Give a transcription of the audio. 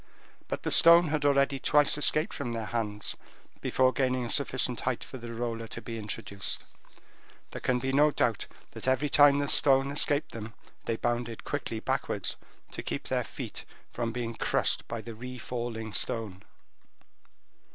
But the stone had already twice escaped from their hands before gaining a sufficient height for the roller to be introduced. There can be no doubt that every time the stone escaped them, they bounded quickly backwards, to keep their feet from being crushed by the refalling stone.